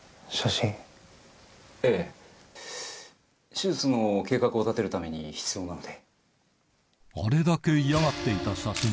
手術の計画を立てるために必要なので。